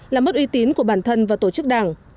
làm mất uy tín của bản thân và tổ chức đảng